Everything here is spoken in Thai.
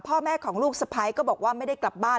พ่อแม่ของลูกสะพ้ายก็บอกว่าไม่ได้กลับบ้าน